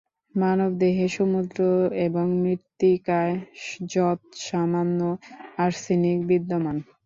মানবদেহ, সমুদ্র এবং মৃত্তিকায় যৎসামান্য আর্সেনিক বিদ্যমান।